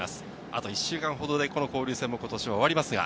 あと１週間ほどで交流戦も終わります。